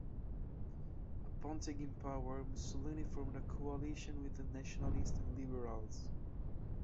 Upon taking power, Mussolini formed a coalition with nationalists and liberals.